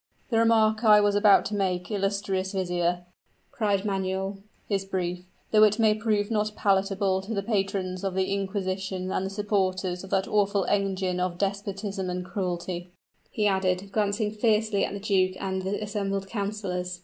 "The remark I was about to make, illustrious vizier," cried Manuel, "is brief, though it may prove not palatable to the patrons of the inquisition and the supporters of that awful engine of despotism and cruelty," he added, glancing fiercely at the duke and the assembled councilors.